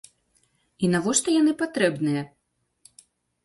І навошта яна патрэбная?